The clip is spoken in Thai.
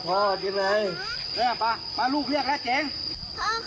เพราะพ่อชะก็เผะม่ยเหมือนมีใครเผอม่ยฉันหยกแต่พ่อม่ายมยาก